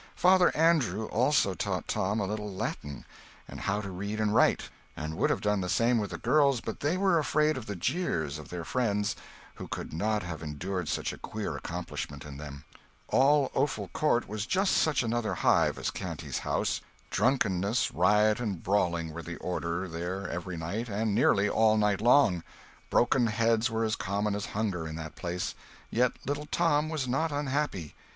Father Andrew also taught Tom a little Latin, and how to read and write; and would have done the same with the girls, but they were afraid of the jeers of their friends, who could not have endured such a queer accomplishment in them. All Offal Court was just such another hive as Canty's house. Drunkenness, riot and brawling were the order, there, every night and nearly all night long. Broken heads were as common as hunger in that place. Yet little Tom was not unhappy.